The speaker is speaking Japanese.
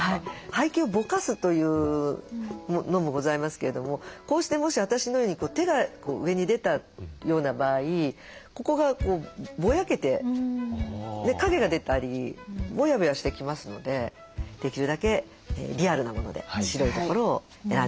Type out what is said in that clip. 背景をぼかすというのもございますけれどもこうしてもし私のように手が上に出たような場合ここがぼやけて影が出たりぼやぼやしてきますのでできるだけリアルなもので白いところを選んでほしいと思います。